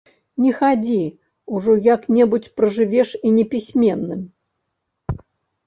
Не хадзі, ужо як-небудзь пражывеш і непісьменным.